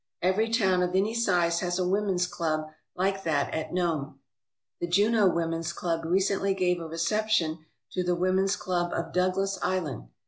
Every town of any size has a women's club like that at Nome. The Juneau Women's Club recently gave a reception to the Women's Club of Douglas Island.